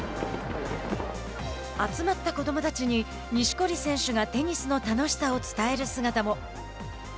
集まった子どもたちに錦織選手がテニスの楽しさを伝える姿も。